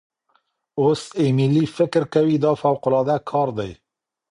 اوس ایمیلی فکر کوي دا فوقالعاده کار دی.